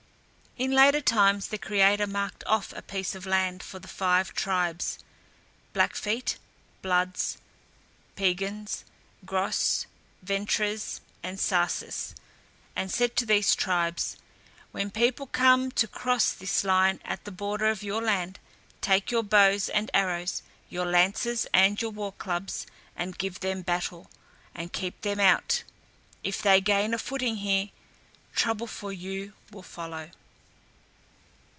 In later times the creator marked off a piece of land for the five tribes, Blackfeet, Bloods, Piegans, Gros Ventres, and Sarsis, and said to these tribes, "When people come to cross this line at the border of your land, take your bows and arrows, your lances and your war clubs and give them battle, and keep them out. If they gain a footing here, trouble for you will follow."